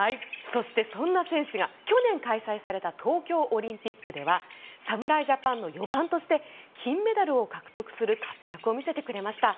そしてそんな選手が去年開催された東京オリンピックでは侍ジャパンの４番として金メダルを獲得する活躍を見せてくれました。